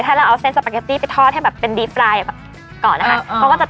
ถ้าเราเอาเส้นสปาเกตตี้ไปทอดให้แบบเป็นดีปลายแบบก่อนนะคะ